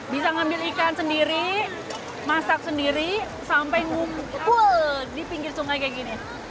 bisa ambil ikan sendiri masak sendiri sampai ngumpul di pinggir sungai seperti ini